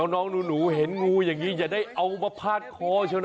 น้องหนูเห็นงูอย่างนี้อย่าได้เอามาพาดคอใช่ไหม